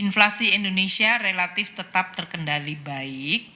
inflasi indonesia relatif tetap terkendali baik